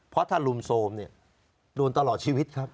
เพราะถ้ารุมโทรมเนี่ยโดนตลอดชีวิตครับ